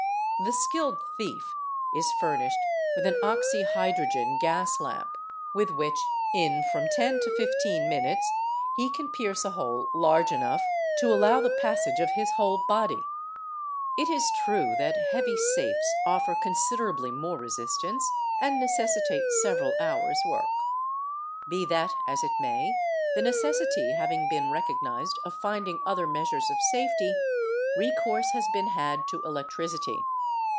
The skilled thief is furnished with an oxyhydrogen gas lamp with which in from 10 to 15 minutes he can pierce a hole large enough to allow the © passage of his whole body ; it is true that heavy safes offer considerably 3 more resistance and necessitate several hours' work. Be that as it may, — the necessity having been recognised of finding other measures of safety, — recourse has been had to electricity.